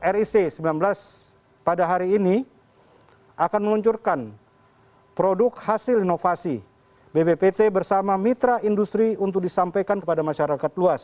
ric sembilan belas pada hari ini akan meluncurkan produk hasil inovasi bppt bersama mitra industri untuk disampaikan kepada masyarakat luas